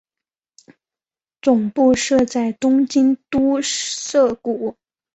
总部设在东京都涩谷。